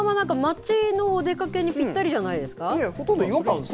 私もこのままなんか、街のお出かけにぴったりじゃないですか。